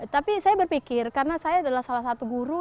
tapi saya berpikir karena saya adalah salah satu guru